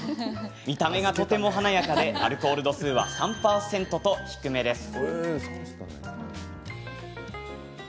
見た目がとても華やかでアルコール度数は３％と低めです。